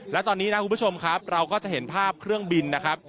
และตอนนี้นะคุณผู้ชมครับเราก็จะเห็นภาพเครื่องบินนะครับ